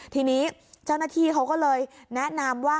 ทีนี้เจ้าหน้าที่เขาก็เลยแนะนำว่า